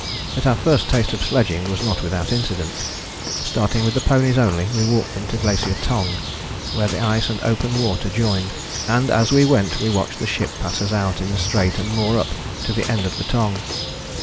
But our first taste of sledging was not without incident. Starting with the ponies only we walked them to Glacier Tongue, where the ice and open water joined, and as we went we watched the ship pass us out in the Strait and moor up to the end of the Tongue.